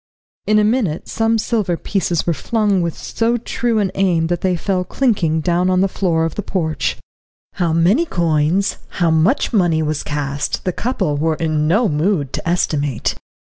In a minute some silver pieces were flung with so true an aim that they fell clinking down on the floor of the porch. How many coins, how much money was cast, the couple were in no mood to estimate.